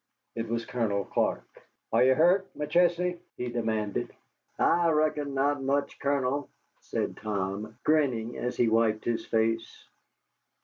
It was Colonel Clark. "Are you hurt, McChesney?" he demanded. "I reckon not much, Colonel," said Tom, grinning, as he wiped his face.